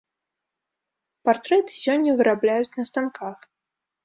Партрэты сёння вырабляюць на станках.